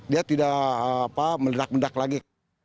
dia tidak meledak mendak lagi